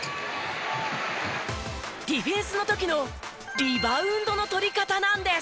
ディフェンスの時のリバウンドの取り方なんです。